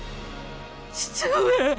父上！